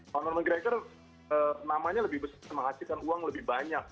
conor mcgregor namanya lebih bisa menghasilkan uang lebih banyak